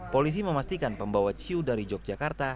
polisi memastikan pembawa ciu dari yogyakarta